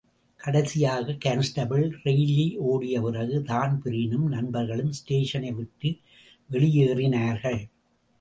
கடைசியாக constable Reilly ஓடிய பிறகு, தான்பிரீனும் நண்பர்களும் ஸ்டேஷனை விட்டு வெளியேறினார்கள்.